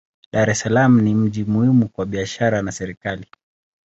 Dar es Salaam ni mji muhimu kwa biashara na serikali.